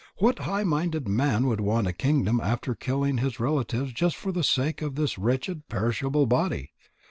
What high minded man would want a kingdom after killing his relatives just for the sake of this wretched, perishable body?